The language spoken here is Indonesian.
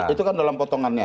itu kan dalam potongannya